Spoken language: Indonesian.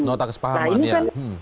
nota kesepakatan ya